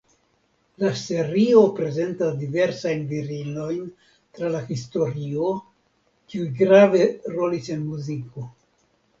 La serio prezentas diversajn virinojn tra la historio kiuj grave rolis en muziko.